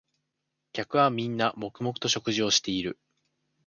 客はみんな黙々と食事をしている